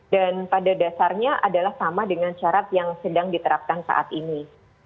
dan pada dasarnya adalah sama dengan syarat yang sedang diterapkan saat ini